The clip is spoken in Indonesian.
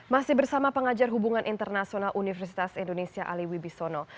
masih bersama pengajar hubungan internasional universitas indonesia ali wibisono